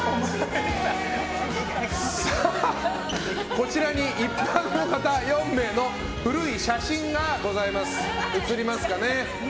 こちらに一般の方４名の古い写真があります。